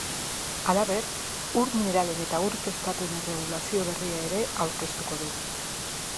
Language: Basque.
Halaber, ur mineralen eta ur prestatuen erregulazio berria ere aurkeztuko du.